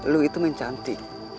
lo itu main cantik